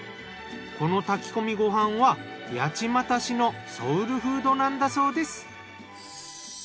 この炊き込みご飯は八街市のソウルフードなんだそうです。